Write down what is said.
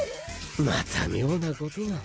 また妙なことを。